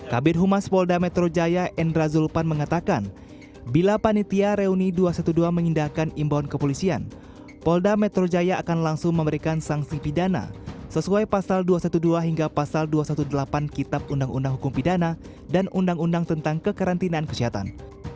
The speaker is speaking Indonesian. kabir humas polda metro jaya endra zulpan mengatakan bila panitia reuni dua ratus dua belas mengindahkan imbauan kepolisian polda metro jaya akan langsung memberikan sanksi pidana sesuai pasal dua ratus dua belas hingga pasal dua ratus delapan belas kitab undang undang hukum pidana dan undang undang tentang kekarantinaan kesehatan